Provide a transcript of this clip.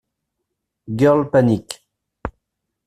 Girl Panic!